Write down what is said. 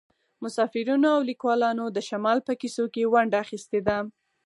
مسافرینو او لیکوالانو د شمال په کیسو کې ونډه اخیستې ده